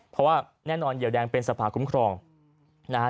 เพราะว่าแน่นอนเหยียวแดงเป็นสภาคุ้มครองนะฮะ